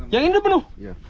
yang ini penuh